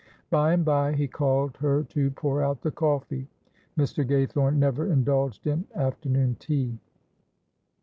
By and by he called her to pour out the coffee Mr. Gaythorne never indulged in afternoon tea.